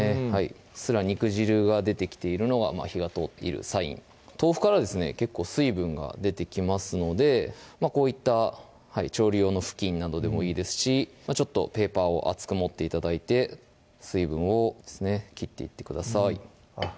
うっすら肉汁が出てきているのは火が通っているサイン豆腐からですね結構水分が出てきますのでこういった調理用の布巾などでもいいですしちょっとペーパーを厚く持って頂いて水分を切っていってくださいあっ